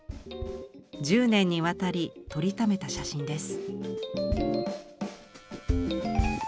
１０年にわたり撮りためた写真です。